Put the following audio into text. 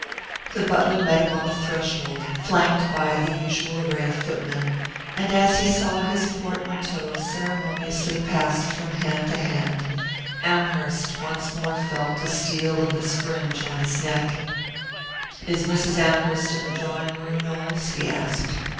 The butler met him on the threshold, flanked by the usual array of footmen; and as he saw his portmanteau ceremoniously passed from hand to hand, Amherst once more felt the steel of the springe on his neck. "Is Mrs. Amherst in the drawing room, Knowles?" he asked.